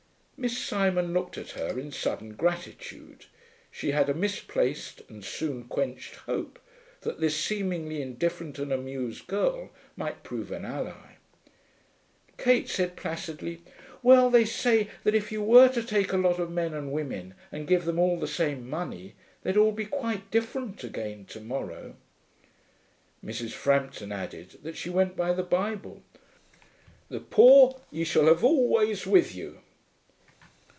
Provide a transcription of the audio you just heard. Miss Simon looked at her in sudden gratitude; she had a misplaced and soon quenched hope that this seemingly indifferent and amused girl might prove an ally. Kate said, placidly, 'Well, they say that if you were to take a lot of men and women and give them all the same money, they'd all be quite different again to morrow....' Mrs. Frampton added that she went by the Bible. 'The poor ye shall have always with you.'